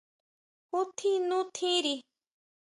¿Jútjin nú tjiri?